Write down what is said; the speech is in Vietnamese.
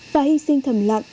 và hi sinh thầm lặng